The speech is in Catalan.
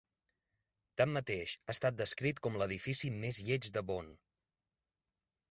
Tanmateix, ha estat descrit com "l'edifici més lleig de Bonn".